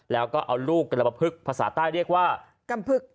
แล้วก็เอาลูกกรปภึกภาษาใต้เรียกว่ากำพึก